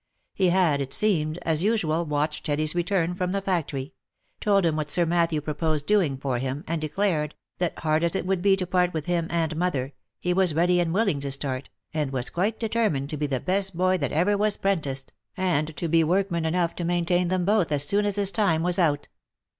He had, it seemed, as usual, watched Teddy's return from the factory — told him what Sir Matthew proposed doing for him, and declared, that hard as it would be to part with him and " mother," he was ready and willing to start, and was quite determined to be the best boy that ever was 'prenticed, and to be workman enough to maintain them both as soon as his time was out.